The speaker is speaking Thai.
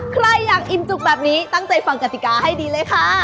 ใครอยากอิ่มจุกแบบนี้ตั้งใจฟังกติกาให้ดีเลยค่ะ